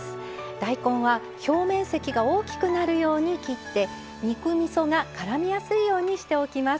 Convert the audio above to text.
大根は表面積が大きくなるように切って肉みそがからみやすいようにしておきます。